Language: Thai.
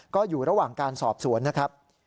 ก็อยู่ระหว่างการสอบสวนนะครับ